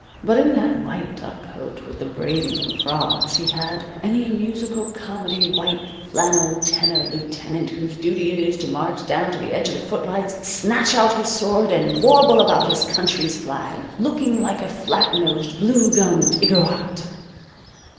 But in that white duck coat with the braiding and frogs he had any musical comedy, white flannel tenor lieutenant whose duty it is to march down to the edge of the footlights, snatch out his sword, and warble about his country's flag, looking like a flat nosed, blue gummed Igorrote.